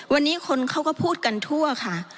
วันนี้คนเขาก็พูดกันทั่วค่ะ